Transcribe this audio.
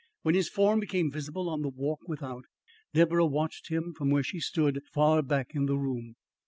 When his form became visible on the walk without, Deborah watched him from where she stood far back in the room.